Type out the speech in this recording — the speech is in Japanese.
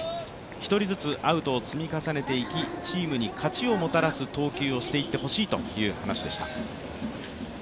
１人ずつアウトを積み重ねていきチームに勝ちをもたらす投球をしていってほしいという話でした。